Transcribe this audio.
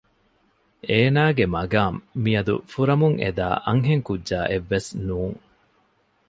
އޭނާގެ މަގާމް މިއަދު ފުރަމުން އެދާ އަންހެންކުއްޖާއެއް ވެސް ނޫން